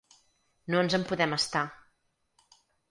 No ens en podem estar.